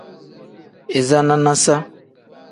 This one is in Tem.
Iza nanasa.